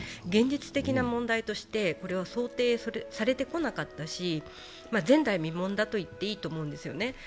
現実的な問題としてそれは想定されてこなかったし前代未聞だと言っていいと思うんですよね。